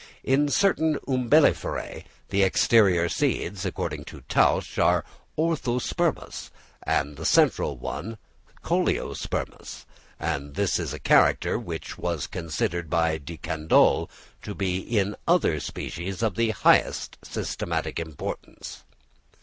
In certain Umbelliferæ the exterior seeds, according to Tausch, are orthospermous, and the central one cœlospermous, and this is a character which was considered by De Candolle to be in other species of the highest systematic importance.